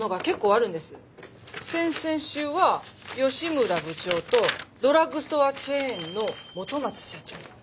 先々週は吉村部長とドラッグストアチェーンのモトマツ社長。